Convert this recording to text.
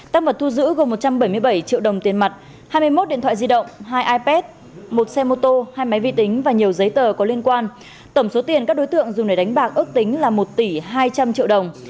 tăng vật thu giữ gồm một trăm bảy mươi bảy triệu đồng tiền mặt hai mươi một điện thoại di động hai ipad một xe mô tô hai máy vi tính và nhiều giấy tờ có liên quan tổng số tiền các đối tượng dùng để đánh bạc ước tính là một tỷ hai trăm linh triệu đồng